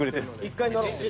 １回乗ろう。